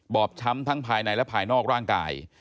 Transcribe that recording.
อบช้ำทั้งภายในและภายนอกร่างกาย